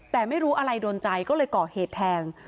แต่ไม่รู้อะไรโดนใจก็เลยก่อเหตุแทง